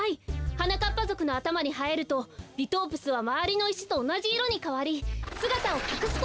はなかっぱぞくのあたまにはえるとリトープスはまわりのいしとおなじいろにかわりすがたをかくすことができるんです。